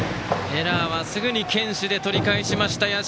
エラーはすぐに堅守で取り返しました社。